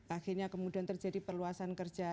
akhirnya kemudian terjadi perluasan kerja